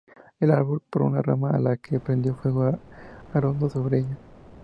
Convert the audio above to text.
El árbol, por una rama a la que prendió fuego orando sobre ella.